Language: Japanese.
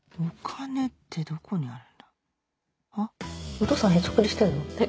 お父さんへそくりしてんの？